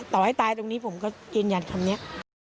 ต่อให้ตายตรงนี้ผมก็ยืนยันคำนี้